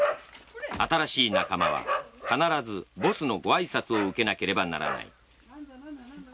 新しい仲間は必ずボスのご挨拶を受けなければならない。